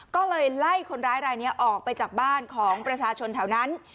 ก็เลยไล่คนร้ายรายนี้ออกไปจากบ้านของประชาชนแถวนั้น